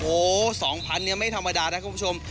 โอ้โห๒๐๐เนี่ยไม่ธรรมดานะคุณผู้ชม